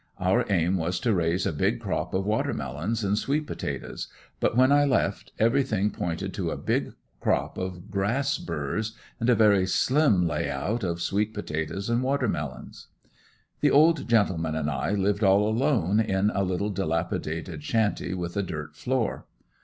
Our aim was to raise a big crop of water melons and sweet potatoes, but when I left everything pointed to a big crop of grass burrs and a very slim lay out of sweet potatoes and water melons. The old gentleman and I lived all alone in a little delapidated shanty with a dirt floor.